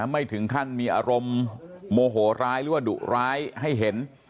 ไม่ถึงขั้นมีอารมณ์โมโหร้ายหรือว่าดุร้ายให้เห็น